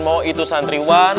mau itu santriwan